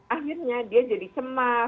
akhirnya dia jadi cemas